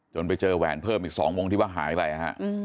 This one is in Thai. ไปเจอแหวนเพิ่มอีก๒วงที่ว่าหายไปฮะ